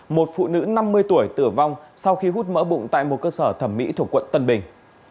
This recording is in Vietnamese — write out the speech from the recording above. một phụ nữ năm mươi tuổi tử vong sau khi hút mỡ bụng tại một cơ sở thẩm mỹ thuộc quận tân bình